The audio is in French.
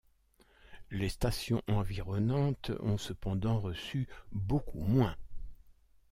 Les stations environnantes ont cependant reçu beaucoup moins.